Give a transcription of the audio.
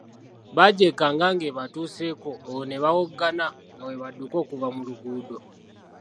Bagyekanga nga ebatuuseeko olwo ne bawoggana nga bwe badduka okuva mu luguudo.